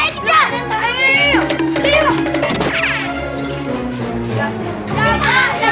padahal kelinci ga ada